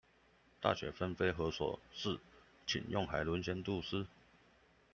大雪紛飛何所似，請用海倫仙度斯